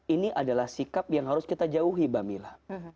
ini adalah sikap yang harus kita jauhi bamiillah